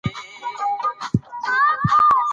تاسو باید د اوازو پر ځای یوازې په رسمي خبرونو باور وکړئ.